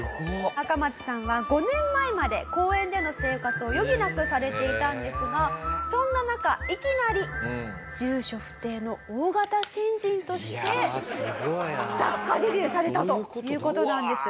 アカマツさんは５年前まで公園での生活を余儀なくされていたんですがそんな中いきなり住所不定の大型新人として作家デビューされたという事なんです。